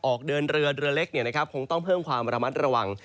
ออกเดินเรือเรือเล็กคงต้องเพิ่มความระมัดระวัง